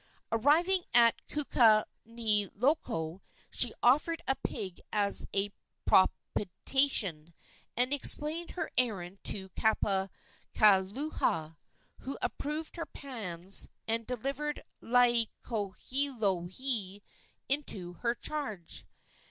Arriving at Kukaniloko, she offered a pig as a propitiation, and explained her errand to Kapukaihaoa, who approved her plans and delivered Laielohelohe into her charge.